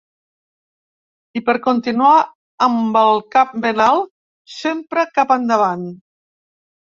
I per continuar amb el cap ben alt, sempre cap endavant.